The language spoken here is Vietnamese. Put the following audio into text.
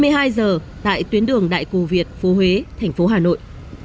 hai mươi hai giờ tại tuyến đường đại cù việt phú huế thành phố hà nội